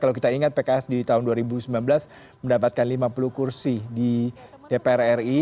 kalau kita ingat pks di tahun dua ribu sembilan belas mendapatkan lima puluh kursi di dpr ri